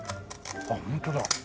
あっホントだ。